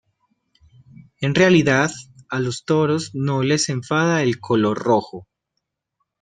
En realidad a los toros no les enfada el color rojo.